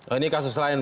oh ini kasus lain